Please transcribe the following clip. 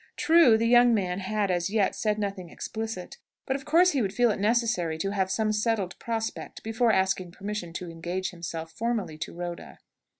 True, the young man had, as yet, said nothing explicit. But, of course, he would feel it necessary to have some settled prospect before asking permission to engage himself formally to Rhoda.